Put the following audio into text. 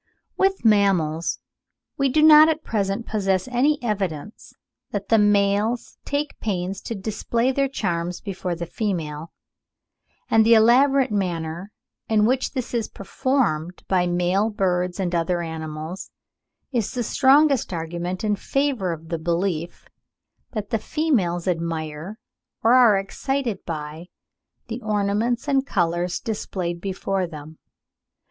With mammals we do not at present possess any evidence that the males take pains to display their charms before the female; and the elaborate manner in which this is performed by male birds and other animals is the strongest argument in favour of the belief that the females admire, or are excited by, the ornaments and colours displayed before them.